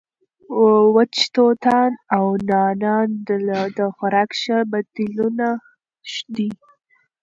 وچ توتان او نعناع د خوراک ښه بدیلونه دي.